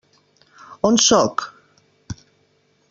On sóc?